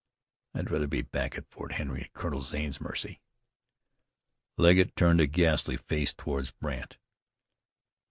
I'd rather be back in Fort Henry at Colonel Zane's mercy." Legget turned a ghastly face toward Brandt.